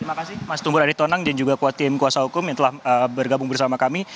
terima kasih mas tunggur adi tonang dan juga kuat tim kuasa hukum yang telah bergabung bersama kami